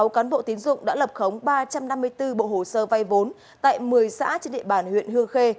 sáu cán bộ tiến dụng đã lập khống ba trăm năm mươi bốn bộ hồ sơ vay vốn tại một mươi xã trên địa bàn huyện hương khê